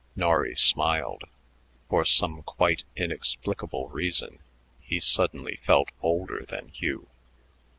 Norry smiled. For some quite inexplicable reason, he suddenly felt older than Hugh.